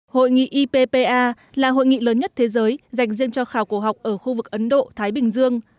hội nghị ippa là hội nghị lớn nhất thế giới dành riêng cho khảo cổ học ở khu vực ấn độ thái bình dương